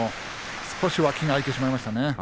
少し脇が空いてしまいましたね。